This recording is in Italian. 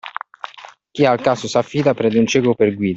Chi al caso s'affida prende un cieco per guida.